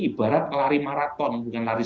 ibarat lari maraton bukan lari